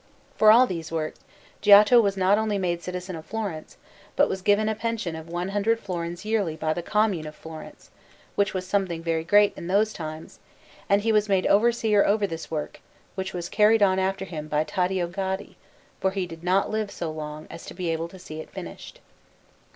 For all these works Giotto was not only made citizen of Florence, but was given a pension of one hundred florins yearly by the Commune of Florence, which was something very great in those times; and he was made overseer over this work, which was carried on after him by Taddeo Gaddi, for he did not live so long as to be able to see it finished.